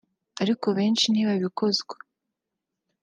Ariko benshi ntibabikozwa